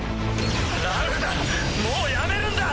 ラウダもうやめるんだ！